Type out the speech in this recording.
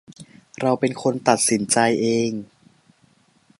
เราเป็นคนตัดสินใจเอง